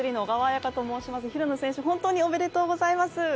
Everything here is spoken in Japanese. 平野選手、本当におめでとうございます。